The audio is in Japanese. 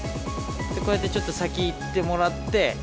こうやってちょっと先行ってもらって。